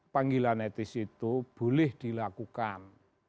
panggilan etis itu boleh dilakukan